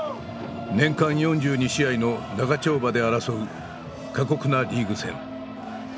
年間４２試合の長丁場で争う過酷なリーグ戦。